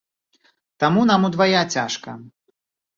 Таму нам удвая цяжка.